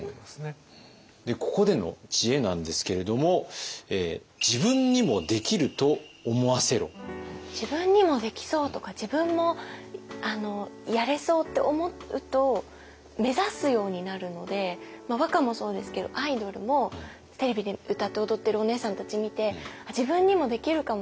ここでの知恵なんですけれども「自分にもできそう」とか「自分もやれそう」って思うと目指すようになるのでまあ和歌もそうですけどアイドルもテレビで歌って踊ってるお姉さんたち見て自分にもできるかも！